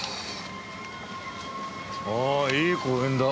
ああいい公園だ。